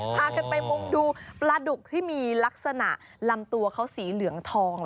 พากันไปมุงดูปลาดุกที่มีลักษณะลำตัวเขาสีเหลืองทอง